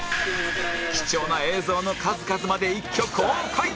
貴重な映像の数々まで一挙公開